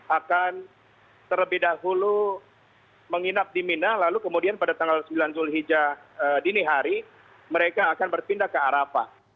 akan terlebih dahulu menginap di mina lalu kemudian pada tanggal sembilan zulhijjah dini hari mereka akan berpindah ke arafah